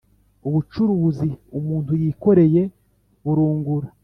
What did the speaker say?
Ubucuruzi umuntu yikoreye burungura.